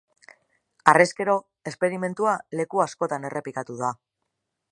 Harrezkero, esperimentua leku askotan errepikatu da.